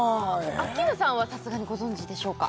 アッキーナさんはさすがにご存じでしょうか？